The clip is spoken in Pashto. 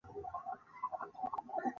په رواني کې یې له پورتنیو نارو توپیر نه ویني.